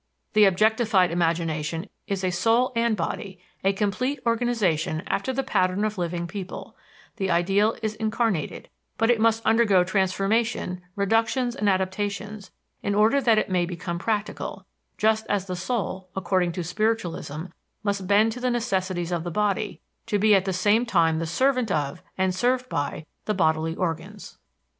The objectified imagination is soul and body, a complete organization after the pattern of living people; the ideal is incarnated, but it must undergo transformation, reductions and adaptations, in order that it may become practical just as the soul, according to spiritualism, must bend to the necessities of the body, to be at the same time the servant of, and served by, the bodily organs.